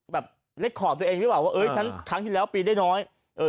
แบบเล็กขอบตัวเองดีกว่าเออครั้งที่แล้วปีนได้น้อยเออ